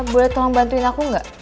boleh tolong bantuin aku gak